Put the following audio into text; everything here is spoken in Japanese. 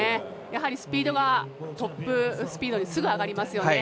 やはりスピードがトップスピードにすぐ上がりますよね。